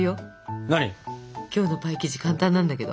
今回のパイ生地簡単なんだけど！